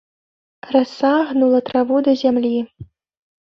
Раса гнула траву да зямлі.